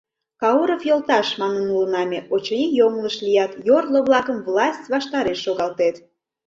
— Кауров йолташ, — манын улына ме, — очыни, йоҥылыш лият, йорло-влакым власть ваштареш шогалтет...